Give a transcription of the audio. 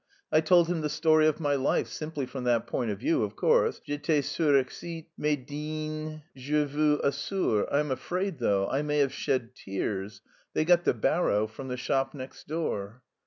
I told him the story of my life, simply from that point of view, of course. J'étais surexcité, mais digne, je vous assure.... I am afraid, though, I may have shed tears. They got the barrow from the shop next door."